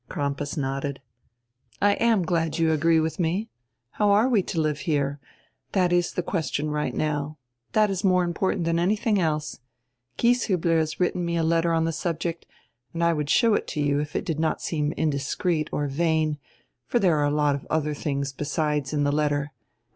Crampas nodded. "I am glad you agree with me. How are we to live here? That is the question right now. That is more important than anything else. Gieshiibler has written me a letter on the subject and I would show it to you if it did not seem indiscreet or vain, for there are a lot of other tilings besides in tire letter.